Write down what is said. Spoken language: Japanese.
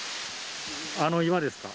あの岩ですか？